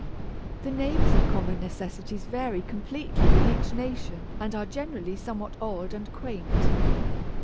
The names of common necessities vary completely with each nation and are generally somewhat odd and quaint.